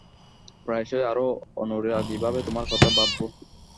প্রায়শই আর অনুরাগীভাবে তোমার কথা ভাববো।